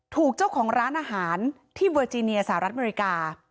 ถูกเจ้าของร้านอาหารที่เวอร์จีเนียสหรัฐอเมริกา